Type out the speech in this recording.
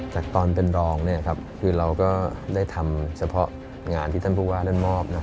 จากตอนเป็นรองคือเราก็ได้ทำเฉพาะงานที่ท่านผู้ว่านั้นมอบ